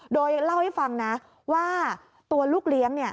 โดยเล่าให้ฟังนะว่าตัวลูกเลี้ยง